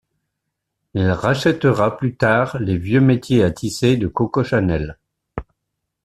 Il rachètera plus tard les vieux métiers à tisser de Coco Chanel.